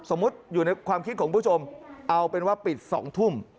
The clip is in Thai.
อยู่ในความคิดของคุณผู้ชมเอาเป็นว่าปิด๒ทุ่ม